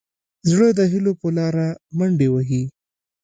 زړه د هيلو په لاره منډې وهي.